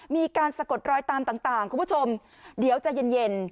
มีการสะกดรอยตามต่างคุณผู้ชมเดี๋ยวจะเย็นเย็น